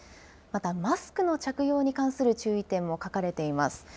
また、マスクの着用に関する注意点も書かれています。